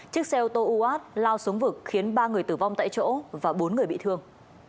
chiếc xe ô tô uat lao xuống vực khiến ba người tử vong tại chỗ và bốn người bị thương